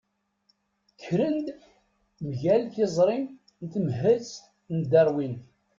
Kkren-d mgal tiẓri n temhezt n Darwin.